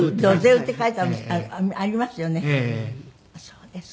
そうですか。